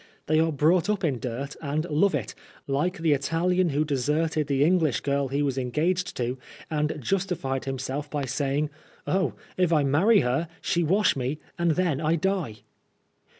They are brought up in dirt, and love it ; like the Italian who deserted the English girl he was engaged to, and justified himself by saying :" Oh, if I marry her, she wash me, and then I die."